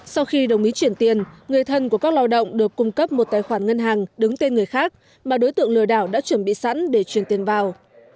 sau khi đồng ý chuyển tiền người thân của các lao động được cung cấp một tài khoản ngân hàng đứng tên người khác mà đối tượng lừa đảo đã chuẩn bị sẵn để chuyển tiền vào